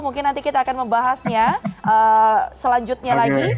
mungkin nanti kita akan membahasnya selanjutnya lagi